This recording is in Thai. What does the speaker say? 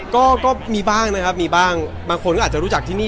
ก็ก็มีบ้างเนี่ยครับบางคนอาจก็รู้จักที่นี่